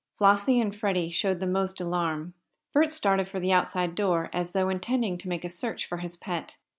Flossie and Freddie showed the most alarm. Bert started for the outside door, as though intending to make a search for his pet.